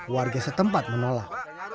warga setempat menolak